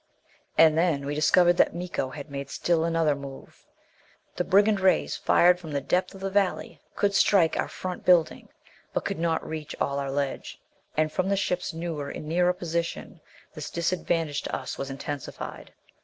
And then we discovered that Miko had made still another move. The brigand rays, fired from the depth of the valley, could strike our front building, but could not reach all our ledge. And from the ship's newer and nearer position this disadvantage to us was intensified.